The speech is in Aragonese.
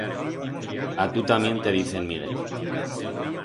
A tu tamién te dicen Miguel.